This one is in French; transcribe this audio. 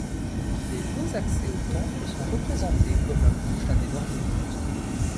Les faux accès au temple sont représentées comme la bouche d'un énorme monstre.